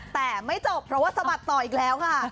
แต่ไม่จบเพราะว่าสะบัดต่ออีกแล้วค่ะ